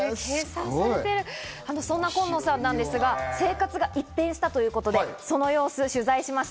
そんなコンノさんなんですが、生活一変したということで、その様子を取材しました。